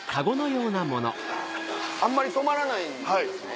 あんまり止まらないんですね。